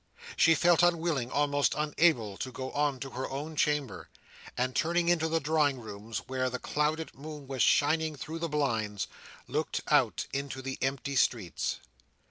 She felt unwilling, almost unable, to go on to her own chamber; and turning into the drawing rooms, where the clouded moon was shining through the blinds, looked out into the empty streets.